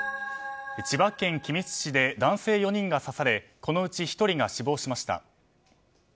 千葉県君津市で男性４人が刺されこのうち１人が死亡しました。